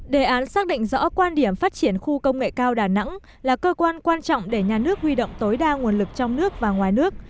đề án xác định rõ quan điểm phát triển khu công nghệ cao đà nẵng là cơ quan quan trọng để nhà nước huy động tối đa nguồn lực trong nước và ngoài nước